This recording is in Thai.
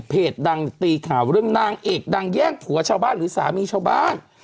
ดังตีข่าวเรื่องนางเอกดังแย่งผัวชาวบ้านหรือสามีชาวบ้าน